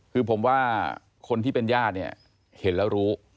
คือผมว่าคนที่เป็นญาติเนี่ยเห็นแล้วรู้